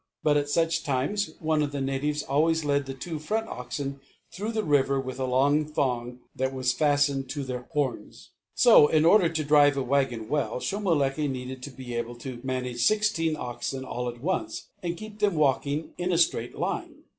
But at such times one of the natives always led the two front oxen through the river with a long thong that was fastened to their horns. So, in order to drive a wagon well, Shomolekae needed to be able to manage sixteen oxen all at once, and keep them walking in a straight line.